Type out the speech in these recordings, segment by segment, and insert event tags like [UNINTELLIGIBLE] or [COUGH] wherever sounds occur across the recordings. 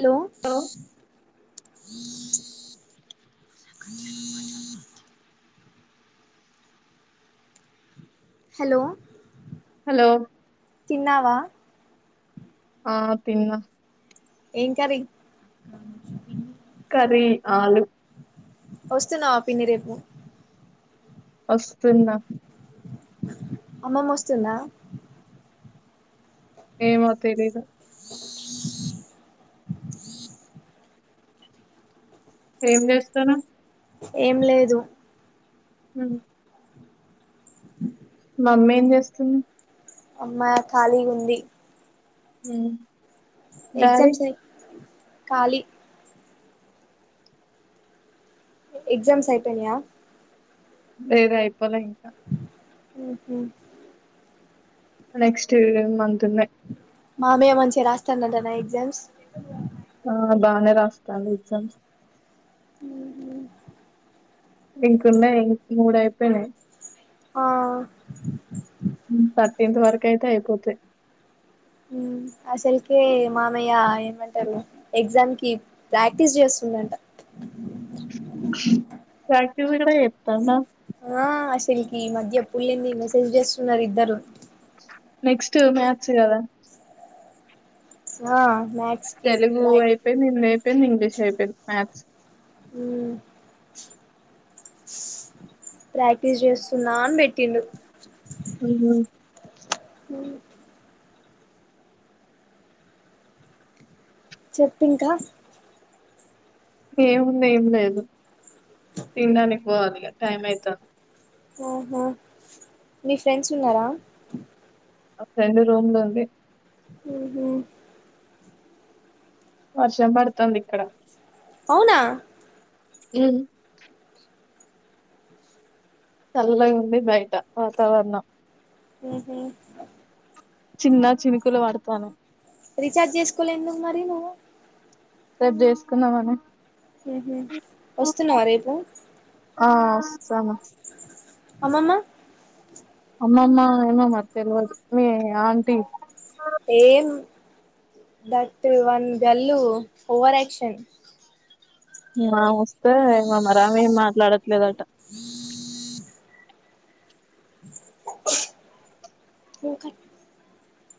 Hello hello hello తిన్నావ ఆ తిన్న ఏం కరీ ఆలు వస్తున్నావ పిన్ని రేపు వస్తున్నా అమ్మమ వస్తుందా ఏమో తెలీదు ఏం చేస్తానవ్ ఏం లేదు మ్మ్ మా మమ్మీ ఏం చేస్తుంది అమ్మా ఖాళీగా ఉంది హ ఎగ్జామ్స్ కాలి ఎగజామ్స్ అయిపోనయ లేదు అయిపోలే ఇంకా అఓహ నెక్స్ట్ ఇయర్ మంత్ ఉన్నా మామయ్య మంచిగా రాస్తానంటనా ఎగ్జామ్స్ ఆ బాగా రాస్తాను ఎజం ఉహు. ఇంకున్నా ఇం మూడు అయిపోయినాయి్ ఆ టంత వరకు అయితే అయిపోతే అసలుకే మామయ్య ఏమంటారు ఎగ్జామ్ కి ప్రాక్టీస్ చేస్తుందంట చ [UNINTELLIGIBLE] ఆ అష సిల్కి ఈ మద్య పుళ్ళంది మెసేజ్ చేస్తున్నారు ఇద్దరు నెక్స్ట్ మ్యాథ్స్ కదా ఆ మ్యాథ్స్ కి తెలుగు ప్రాక్ అయిపోయి నిన్నయిపో ఇంగ్లీష్ అయిపో మాథస్ ప్రాక్టీస్ చేస్తున్నా అని పెట్టిండు మ్ హా హ చెప్పింకా ఏముంది ఏం లేదు తినడానికి పోవాలి టైం అవుతుంది ఆ హ మీ ఫ్రెండ్స్ ఉన్నారా నా ఫ్రెండు రూమ్ లో ఉంది మ్ హ వర్షం పడుతుంది ఇక్కడ అవునా హ చల్లగా ఉంది బయట వాతావరణం అ చిన్న చినుకులు వాడతాను రీఛార్జ్ చేసుకోలే ఎందుకు మరి నువ్వు సది చేసుకుందామని హ వస్తున్నావా రేపు ఆ చమా అవుమన్నా అమ్మమ్ ఏమ మత్త తెల్దు మీ ఆంటీ ఏం దట్ వన్ గల్లు ఓవర్ క్షన్ నా అ ఏమ మరామ ఏం మాట్లాడట్లేదుట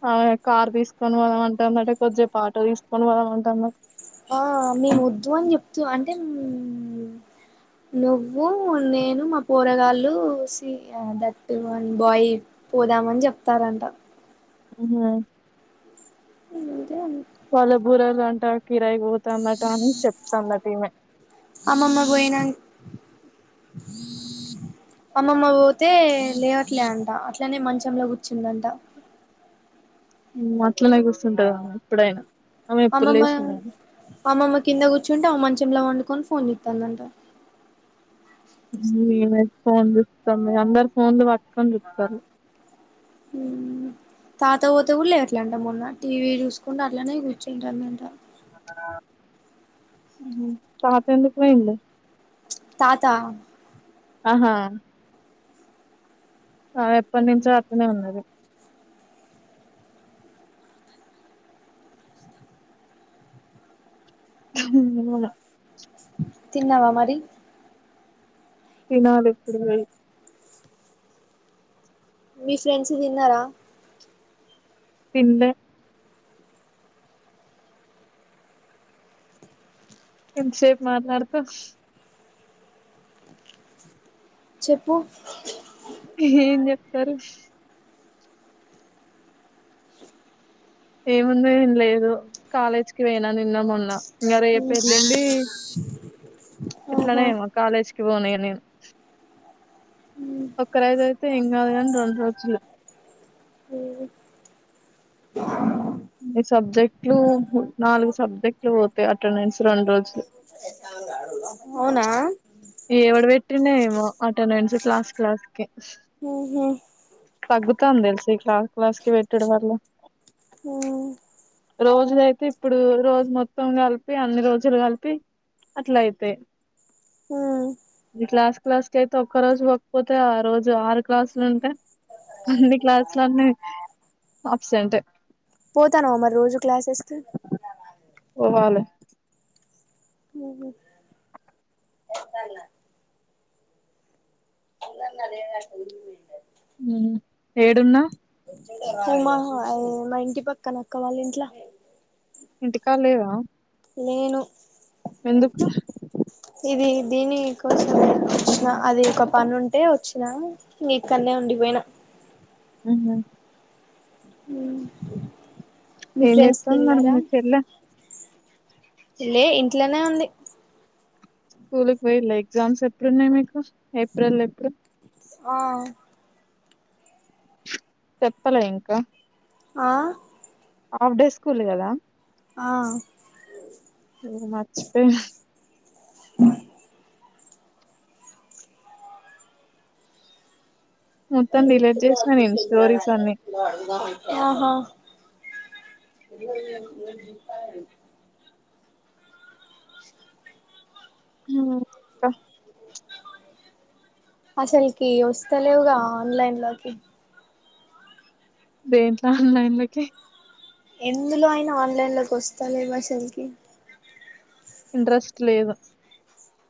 అ కార్ తీసుకొని వాళ్దమంటుందంటే కొద్దిపు పాట తీసుకొని పోళ్దమంటున్నట ఆ మేము వద్దు అని చెప్తూ అంటే నువ్వు నేను మా కూూరగాళ్ళు దట్ వన్ బాయ్ పోదామని చెప్తారంట హ ఇంట అ పల్ బూరలా అంటా కిరయితు చెప్ందట అని చెప్తున్నటమెే అమ్మమ్మ పోయినా అమ్మమ్మ పోతే లేవట్లే అంట అట్లనే మంచంలో కూర్చుందంట అట్లనే కూసుంటది ఆమె ఎప్పుడైనా ఆమె ఎప్పుడు అమ్మమ్మ లేచిందని అమ్మమ్మ కింద కూర్చుంటే అమ్మ చెలా వడుకోని ఫోన్ చూస్తదంట [UNINTELLIGIBLE] ఫోన్ చూస్తాం మేము అందరు ఫోన్లు పట్టుకొని చూతారు. మ్మ్ తాత పోతే కూడా లేవట్లేదంట మొన్న టీవీ చూసుకుంటూ అట్లనే కూర్చుంటా అన్నర్ అంట. మ్మ్ తాత ఎందుకు పోయిండు తాతా ఆహా ఎప్పటి నుంచో అట్టనే ఉన్నది. [UNINTELLIGIBLE] తిన్నావా మరి తిన్నలి ఇప్పుడు పోయి మీ ఫ్రెండ్స్ తిన్నారా తిన్లే ఎంతసేప్ మాట్లాడ్తావ్ చెప్పు ఏం చెప్తారు ఏముంది ఏం లేదు కాలేజ్కి పోయినా నిన్న మొన్న ఇంకా రేప్ ఏళ్ళిండి ప్చ్ ఇట్లనే ఆహా ఏమో కాలేజ్కి పోనీ నేన్ ఒక్కరోజు తు నేన్ గాదు గానీ రెండ్ రోజులు ఉహ్ మ్ సబ్జెక్ట్లు నాలుగు సబ్జెక్ట్లు పోతాయి అటెండెన్స్ రెండు రోజులు ఆ ఎవడ పెట్టిండే ఏమో ఆ టెన్వన్స్ క్లాస్ క్లాస్కే పగ్గత ఉంద సి కలా క్లాస్ కి పెట్డ వళ్ల హమ్ రోజులయితే ఇప్పుడు రోజు మొత్తం కలిపి అన్ని రోజులు కలిపి అట్ల అయితే హ క్లాస్ క అయితే ఒక్క రోజు పకపోతే ఆ రోజు ఆరు క్లాసులు ఉంటే అన్ని క్లాసులన్నీ అబ్సెంట్ పోతానువా మరి రోజు క్లాసెస్ క పోవాలి ఎంత అందన్నతదిది ఏడున్నా మాహ మా ఇంటి పక్క నక్క్క వాళ్ళ ఇంట్లా ఇంటికాలేవా నేను ఎందుకు ఇది దీనికోసం వచ్చిన అది ఒక పను ఉంటే వచ్చినా ఇ ఇక్కడనే ఉండిపోయినా ఉహూ ఉ ఎమ్ జేత్తం మరి లే ఇంట్లోనే ఉంది స్కూల్కి పోయిలే ఎగ్జామ్స్ ఎప్పుడున్నాయి మీకు ఏప్రిల్ ఎప్పుడు ఆ చెప్పాల ఇంకా ఆ హాఫ్ డే స్కూల్ కదా ఆ ఏఓ మాచపి ఆ హా మొత్తం డిలీట్ చేసిన నేను ఇది స్టోరీస్ అన్ని జీత హ అ అసల్కి వస్త లేవుగా ఆన్లైన్ లోకి దేంట్లో ఆన్లైన్ లోకి ఎందులో అయిన ఆన్లైన్ లోకి వస్తాల భషల్కిి ఇంట్రెస్ట్ లేదు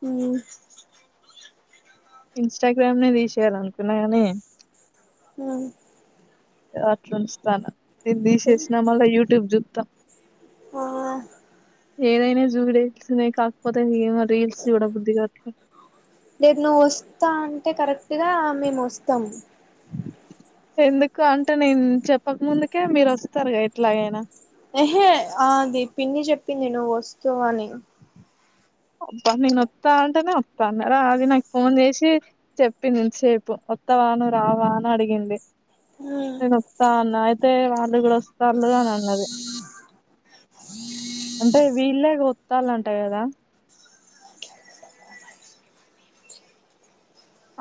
ఉ ఇన్స్టాగ్రామ్ నే తీసేయాలనుకున్నా కాని ఆ అట్లుంచుతాను తీసేసినా మల్ యూట్యూబ్ చూప్తాం ఆ ఏదైనా జూడిన కాకపోతే ఏ రీల్స్ సూడ బుద్ధిగావట్లే రేపు నువ్వు వస్తా అంటే కరెక్ట్గా మేము వస్తాము ఎందుకు అంటే నేను చెప్పక ముందుకే మీరు వస్తారు ఎట్లాగైనా యెహే ఆది పిన్ని చెప్పింది నువ్వు వస్తు అని అబా నేను అత్త అంటేనే వత్తా అన్నది నాకు ఫోన్ చేసి చెప్పిందింతసేపు వస్తావాను రావా అని అడిగింది వస్తా అన్న అయితే కూడా అన్నది అంటే వీళ్ళే కొత్తాలంటే కట్టాదా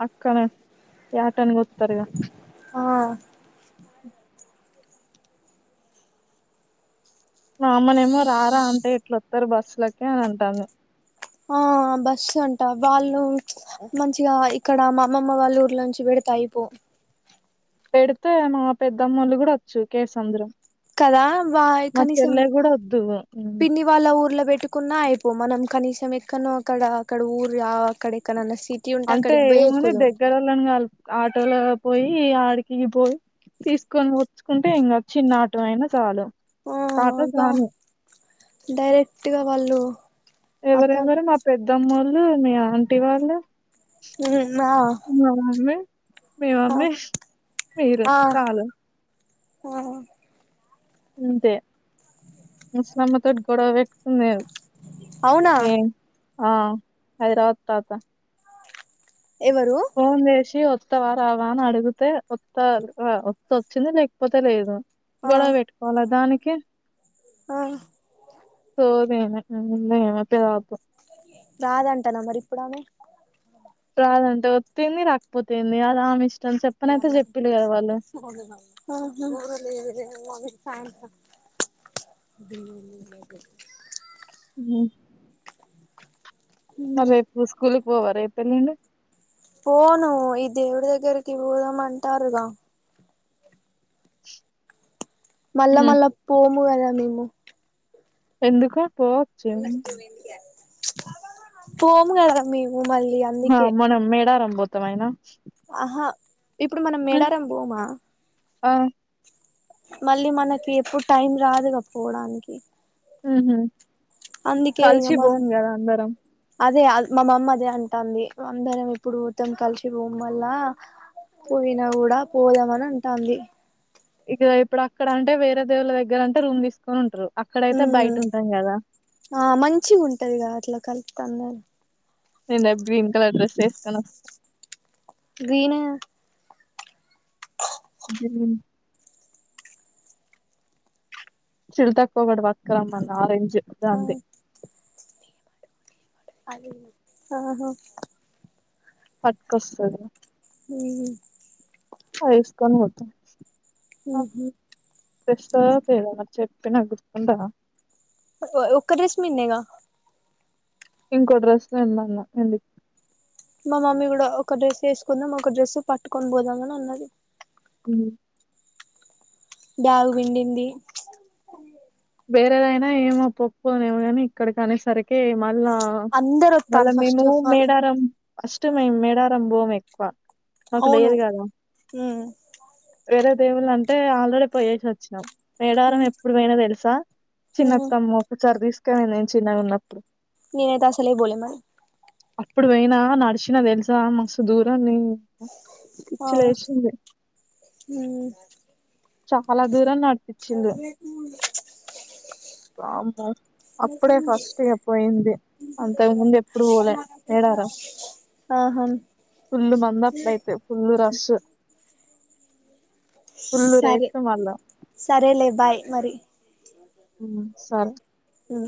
అక్కనే ఏటన్ గోత్తారుగా ఆ మా అమ్మనేమో రారా అంటే ఏట్లోత్తరు బస్సులకి అని అంటాను ఆ బస్సు అంట వాళ్ళు మంచిగా ఇక్కడ మా అమ్మమ్మ వాళ్ళ ఊర్లోంచి పెడతా అయిపో పెడితే మా పెద్దమ్మలు గూడా అచ్చు కేసంద్రు కదా వా కనీసం వద్దు హ్మ్. పిన్ని వాళ్ళ ఊర్లో పెట్ పెట్టుకున్నా అయిపో మనం కనీసం ఎక్కడ్నో అక్కడా అక్కడ ఊరులా అక్కడ ఎక్కడన్న అంటే ఏమని దగ్గరోళ్ళని కల్ప్ ఆటోలో పోయి ఈ ఆడికి పోయి తీసుకొని వచ్చుకుంటే ఇంగా చిన్న ఆటో అయినా చాలు. ఆ ఒక ఆటో అదా చాలు డైరెక్ట్గా వాళ్ళూ. ఎవరెవరు మా పెద్దమ్మల్. మీ ఆంటీ వాళ్ళ ఉన్నా మమ్మీ మీ మమ్మీ మీరు ఆ చాలు ఆ అంతే ముస్లమ్మా తోటి గొడవ పెట్టుకుంది అవునా ఆ హైదరాబాద్ తాత. ఎవరు ఫోన్ చేశీ ఒత్ వస్తవా రావా అని అడుగుతే వత్తా వస్తే వచ్చింది లేకపోతే లేదు. ఆ గొడవ పెట్టుకోవాలా దానిక్ ఒకే ఆ సోదీ నాక్ [UNINTELLIGIBLE] తెల్వద్ పో రాదంటనా మరి ఇప్పుడామే. రాదంట వత్తేంది రాకపోతేంది అది ఆమె ఇష్ట్ ఆహా సాయంత్రం ఊ మరి రేపు స్కూలుక్ పోవా రేపు ఎల్లుండి. పోనూ ఈ దేవుడి దగ్గరికి పోదామ్ అంటారుగా. మళ్ళ మళ్ళ పోము కదా. లేము ఎందుకు పోవచ్చు ఏముంది. పోము కదా మే మన మనం మేడారం బోత్ త్తమైనా ఆహా ఇప్పుడు మనం మెడారం బోమా. అ మళ్ళీ మనకి ఎప్పుడు టైం రాదుగా పోవడానికి హహ అందుకే ఇగ కలిసి మం బాంది కదా అందరం అదే మా అమ్మ అదే అంటుంది అందరం ఇప్పుడు ఊతం కలిసి రూం వల్ల పోయినా కూడా పోదామని అంటుంది ఇక ఇప్పుడు అక్కడ అంటే వేరే దేవుళ్ల దగ్గర అంటే రూమ్ తీసుకొని ఉంటారు ఉ అక్కడైతే బయట ఉంటాం కదా ఆ మంచి ఉంటది కదా అట్లా కలి త్తంద నేన్ రేప్ గ్రీన్ కలర్ డ్రెస్ ఏసుకొని వస్తా. గ్రీనా. హూ చిల్తక్క ఒకటి పట్కరంమన్ ఆరెంజ్. జె ఇగా ఆ అంతే. అదీ ఆహా పట్కొస్తుంది అ ఇసుకనిత ఓ గెట్ ప్రా పేద మరి చెప్పి నా్ గుర్తుందా ఒక డ్రెస్రేమన్గా ఇంకో డ్రెస్ వెందలా ఎంటి మా మమ్మీ కూడా ఒక డ్రెస్ వేసుకుందాం ఒక డ్రెస్ పట్టుకొని పోదాం ని అన్నది ఉ గు పిండింది వేరేదైనా ఏమో పప్పు అనే ఏమోగాని ఇక్కడ కానేసరికి మా అలా అందరు వాళ్ళ వత్తాలు ఫస్ట్ మేము ఆఫ్ ఆల్ మేడారం అస్ మే మేడారం పొం కు మాకు అవును లేయదు కదా ఏద సేవులు అంటే ఆల్రెడీ పోయేసి వచ్చినాం ఏడారం ఎప్పుడు పోనా తెలుసు ా చిన్న తమ్కుచర్ తీసు నేను చిన్నగా ఉన్నప్పుడు నేనైతే అసలే పోలే మరి అప్పుడు పోయినా నడిచినా తెలుసా మస్తు దూరాన్ని ఆ పిచ్చి లేసింది మ్మ్ చాలా దూరం నడ్ [INAUDIBLE] వామ్మో అప్పుడే ఫస్ట్ ఇగ పోయింది అంతకు ముందు ఎప్పుడు పోలే మేడారం ఆహా ఫుల్లు మంద అప్పుడైతే ఫుల్లు రష్ ఫుల్ సరే రేట్లు మళ్ళా సరేలే బాయ్ మరి. హ్ సరే హ్